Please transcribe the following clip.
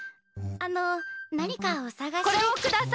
あの、何かお探しで。